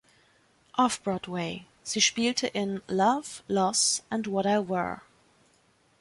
Off-Broadway, sie spielte in „Love, Loss, and What I Wore".